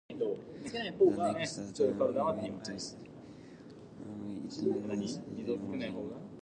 The next time he went to see Miriam it was Saturday evening.